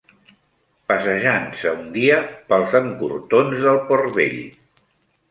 Passejant-se un dia pels encortorns del Port vell